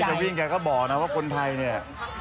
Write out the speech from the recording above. จะวิ่งแกก็บอกนะว่าคนไทยเนี่ย